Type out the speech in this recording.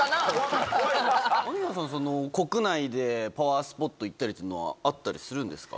雨宮さん国内でパワースポット行ったりっていうのはあったりするんですか？